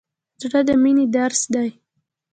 زړه د مینې درس دی.